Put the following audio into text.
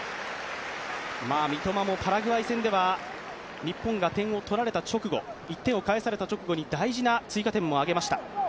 三笘もパラグアイ戦では日本が１点を取られた直後１点を返された直後に大事な追加点を挙げました。